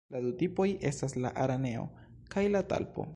La du tipoj estas la „araneo“ kaj la „talpo“.